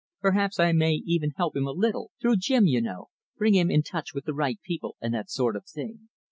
Perhaps I may even help him a little, through Jim, you know bring him in touch with the right people and that sort of thing.